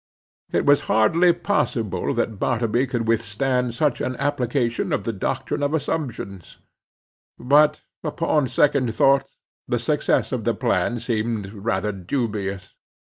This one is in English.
It was hardly possible that Bartleby could withstand such an application of the doctrine of assumptions. But upon second thoughts the success of the plan seemed rather dubious.